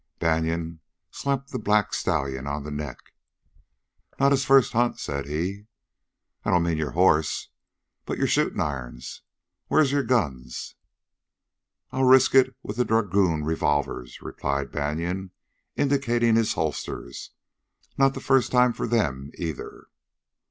Banion slapped the black stallion on the neck. "Not his first hunt!" said he. "I don't mean yore hoss, but yore shootin' irons. Whar's yore guns?" "I'll risk it with the dragoon revolvers," replied Banion, indicating his holsters. "Not the first time for them, either."